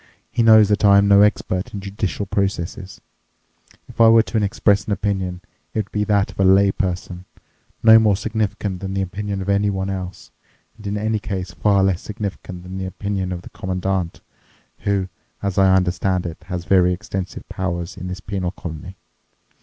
He knows that I am no expert in judicial processes. If I were to express an opinion, it would be that of a lay person, no more significant than the opinion of anyone else, and in any case far less significant than the opinion of the Commandant, who, as I understand it, has very extensive powers in this penal colony.